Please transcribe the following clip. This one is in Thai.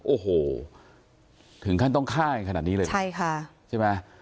โอ้โหถึงขั้นต้องฆ่ากันขนาดนี้เลยนะใช่ค่ะใช่ไหม